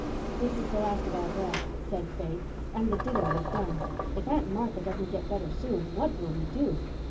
"This is the last of our bread," said Faith, "and the ditto is done. If Aunt Martha doesn't get better soon what will we do?"